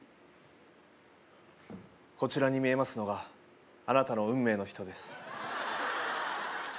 こちらに見えますのがあなたの運命の人です